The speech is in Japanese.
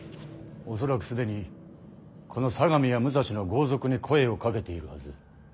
恐らく既にこの相模や武蔵の豪族に声をかけているはず。